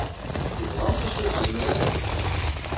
Tebɣa maca ur tezmir ara.